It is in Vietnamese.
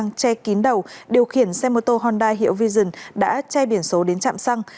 công an đã che kín đầu điều khiển xe mô tô honda hiệu vision đã che biển số đến trạm xăng